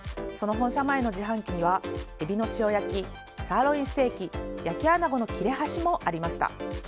その本社前の自販機にはエビの塩焼きサーロインステーキ焼きアナゴの切れ端もありました。